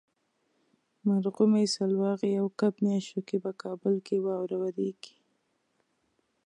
مرغومي ، سلواغې او کب میاشتو کې په کابل کې واوره وریږي.